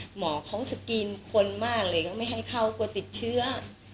หมอเขาสกรีนคนมากเลยก็ไม่ให้เข้ากลัวติดเชื้อ